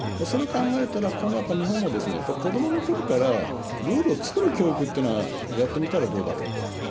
それを考えたら、今後、やっぱり日本も子どものころからルールを作る教育っていうのはやってみたらどうだろうと。